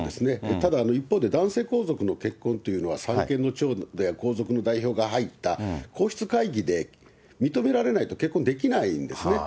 ただ一方で、男性皇族の結婚というのは、三権の長である皇族の代表が入った皇室会議で認められないと、結婚できないんですね。